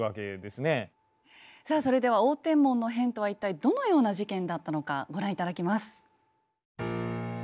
さあそれでは応天門の変とは一体どのような事件だったのかご覧頂きます。